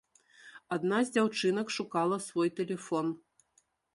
Адна з дзяўчынак шукала свой тэлефон.